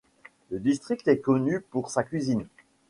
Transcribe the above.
Le district est connu pour sa cuisine.